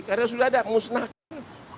karena sudah ada musnahkan